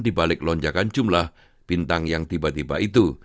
dibalik lonjakan jumlah bintang yang tiba tiba itu